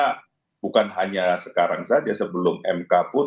karena bukan hanya sekarang saja sebelum mk pun